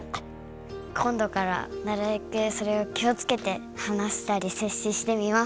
今どからなるべくそれを気をつけて話したりせっしてみます。